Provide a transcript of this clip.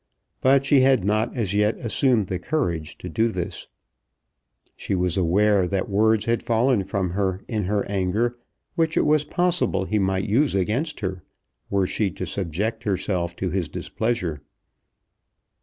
But she had not as yet assumed the courage to do this. She was aware that words had fallen from her in her anger which it was possible he might use against her, were she to subject herself to his displeasure.